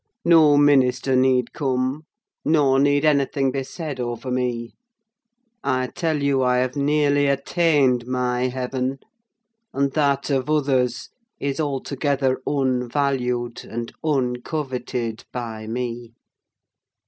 No minister need come; nor need anything be said over me.—I tell you I have nearly attained my heaven; and that of others is altogether unvalued and uncoveted by me."